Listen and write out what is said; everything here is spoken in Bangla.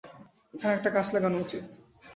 এখানে একটা গাছ লাগানো উচিৎ।